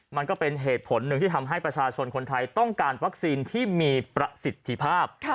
มันก็เป็นเหตุผลหนึ่งที่ทำให้ประชาชนคนไทยต้องการวัคซีนที่มีประสิทธิภาพ